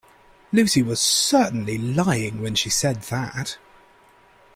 Lucy was certainly lying when she said that.